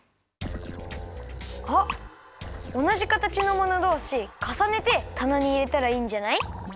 あっおなじ形のものどうしかさねてたなにいれたらいいんじゃない？